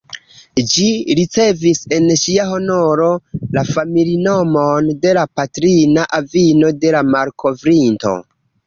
Ĝi ricevis, en ŝia honoro, la familinomon de la patrina avino de la malkovrinto.